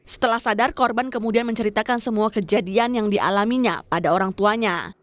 setelah sadar korban kemudian menceritakan semua kejadian yang dialaminya pada orang tuanya